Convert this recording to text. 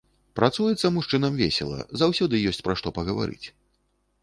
Працуецца мужчынам весела, заўсёды ёсць пра што пагаварыць.